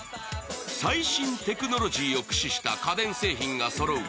最新テクノロジーを駆使した家電製品がそろう